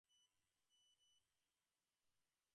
তাহার এ-সমস্ত বেশ ভালোই লাগিতেছিল।